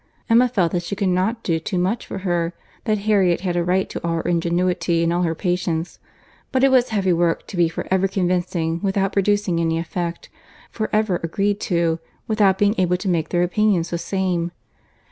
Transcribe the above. Emma felt that she could not do too much for her, that Harriet had a right to all her ingenuity and all her patience; but it was heavy work to be for ever convincing without producing any effect, for ever agreed to, without being able to make their opinions the same.